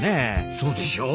そうでしょう？